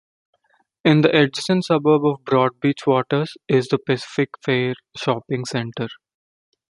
In the adjacent suburb of Broadbeach Waters is the Pacific Fair Shopping Centre.